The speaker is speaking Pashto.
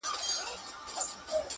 څوك به وژاړي سلګۍ د يتيمانو؛